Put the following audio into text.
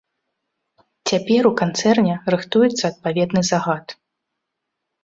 Цяпер у канцэрне рыхтуецца адпаведны загад.